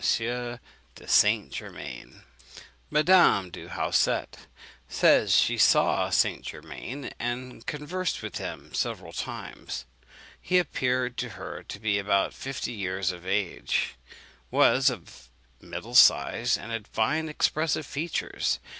de St. Germain. Madame du Hausset says she saw St. Germain and conversed with him several times. He appeared to her to be about fifty years of age, was of the middle size, and had fine expressive features.